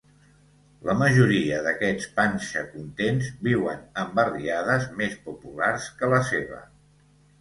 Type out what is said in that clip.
La majoria d'aquests panxacontents viuen en barriades més populars que la seva.